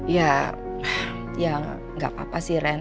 ya ya nggak apa apa sih ren